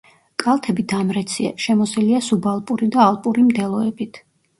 კალთები დამრეცია, შემოსილია სუბალპური და ალპური მდელოებით.